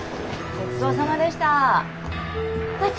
ごちそうさんでした。